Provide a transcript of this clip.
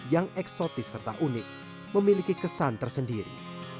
yang eksotis serta unik memiliki kesan tersendiri